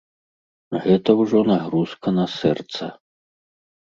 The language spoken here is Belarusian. Гэта ўжо нагрузка на сэрца.